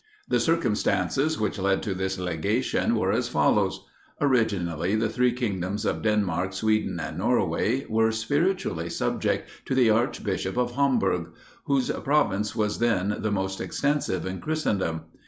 The circumstances which led to this legation were as follows: originally the three kingdoms of Denmark, Sweden, and Norway, were spiritually subject to the archbishop of Hamburg, whose province was then the most extensive in Christendom.